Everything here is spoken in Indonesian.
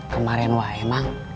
kemarin wae mang